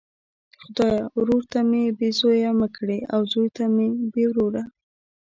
خدایه ورور ته مي بې زویه مه کړې او زوی ته بې وروره!